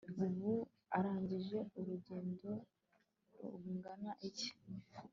ubu arangije urugendo rungana iki»